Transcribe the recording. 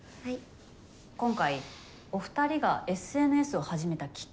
今回お二人がＳＮＳを始めたきっかけは？